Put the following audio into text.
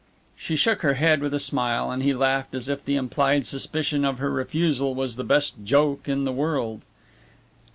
She shook her head with a smile, and he laughed as if the implied suspicion of her refusal was the best joke in the world.